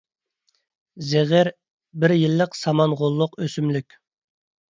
زىغىر — بىر يىللىق سامان غوللۇق ئۆسۈملۈك.